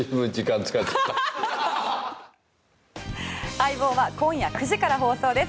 「相棒」は今夜９時から放送です。